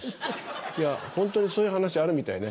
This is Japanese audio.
いやホントにそういう話あるみたいね。